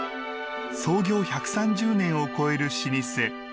創業１３０年を越える老舗。